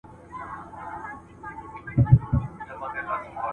انا غوښتل چې ماشوم ته یو نوی کالي جوړ کړي.